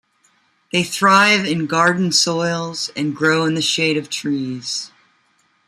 They thrive in garden soils, and grow in the shade of trees.